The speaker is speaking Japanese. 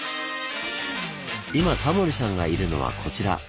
今タモリさんがいるのはこちら。